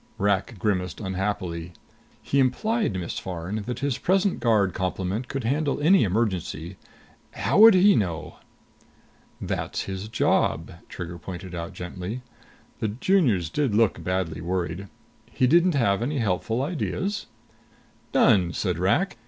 Rak grimaced unhappily. "He implied, Miss Farn, that his present guard complement could handle any emergency. How would he know?" "That's his job," Trigger pointed out gently. The Juniors did look badly worried. "He didn't have any helpful ideas?" "None," said Rak.